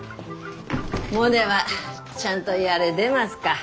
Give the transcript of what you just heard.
モネはちゃんとやれでますか？